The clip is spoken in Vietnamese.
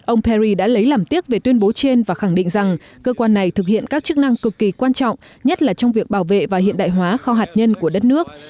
ông paris đã lấy làm tiếc về tuyên bố trên và khẳng định rằng cơ quan này thực hiện các chức năng cực kỳ quan trọng nhất là trong việc bảo vệ và hiện đại hóa kho hạt nhân của đất nước